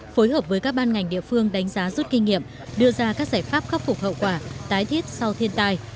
phối hợp với các ban ngành địa phương đánh giá rút kinh nghiệm đưa ra các giải pháp khắc phục hậu quả tái thiết sau thiên tai